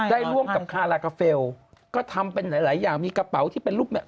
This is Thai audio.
ได้ร่วมกับคารากาเฟลก็ทำเป็นหลายหลายอย่างมีกระเป๋าที่เป็นรูปแบบ